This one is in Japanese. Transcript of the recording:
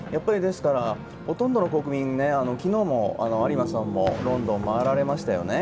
ほとんどの国民、昨日も有馬さんもロンドン回られましたよね。